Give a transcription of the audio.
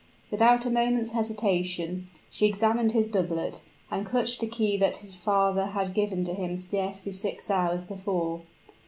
Without a moment's hesitation, she examined his doublet, and clutched the key that his father had given to him scarcely six hours before.